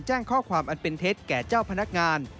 แจ้งข้อความอันเป็นเท็จแก่เจ้าพนักงาน